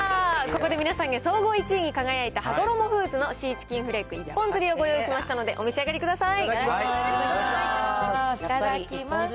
ここで皆さんには総合１位に輝いた、はごろもフーズのシーチキンフレーク一本釣りをご用意しましたのいただきます。